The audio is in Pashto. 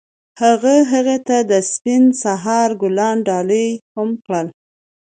هغه هغې ته د سپین سهار ګلان ډالۍ هم کړل.